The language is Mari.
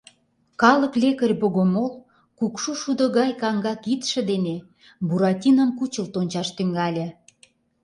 Калык лекарь Богомол кукшу шудо гай каҥга кидше дене Буратином кучылт ончаш тӱҥале.